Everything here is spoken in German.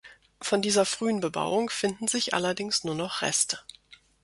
Von dieser frühen Bebauung finden sich allerdings nur noch Reste.